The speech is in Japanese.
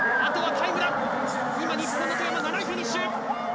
今、日本の外山７位フィニッシュ！